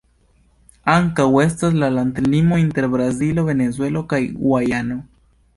Ankaŭ estas la landlimo inter Brazilo, Venezuelo kaj Gujano.